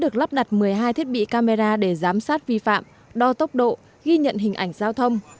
cảnh sát vi phạm đo tốc độ ghi nhận hình ảnh giao thông